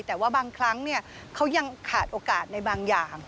แต่ว่าบางครั้งเขายังขาดโอกาสในบางอย่าง